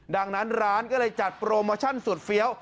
ดังนั้นร้านก็เลยจัดโปรโมชั่นสุดเฟี้ยว